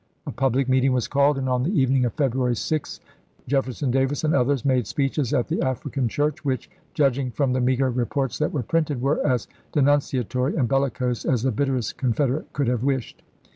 A public meeting was called, and on the evening 1865. of February 6, Jefferson Davis and others made speeches at the African Church,1 which, judging from the meager reports that were printed, were as denunciatory and bellicose as the bitterest Con federate could have wished.